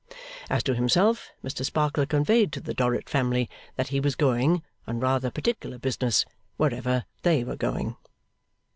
As to himself, Mr Sparkler conveyed to the Dorrit family that he was going, on rather particular business, wherever they were going.